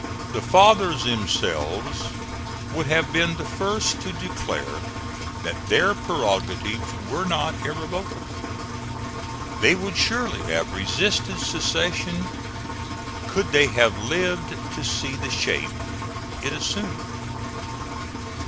The fathers themselves would have been the first to declare that their prerogatives were not irrevocable. They would surely have resisted secession could they have lived to see the shape it assumed.